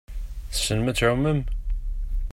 Tessnem ad tɛummem?